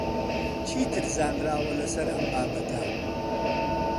چیتر زانراوە لەسەر ئەم بابەتە؟